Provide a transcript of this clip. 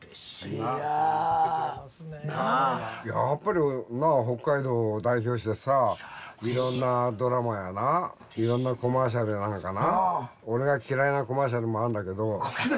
やっぱりなあ北海道を代表してさいろんなドラマやないろんなコマーシャルや何かな俺が嫌いなコマーシャルもあんだけど。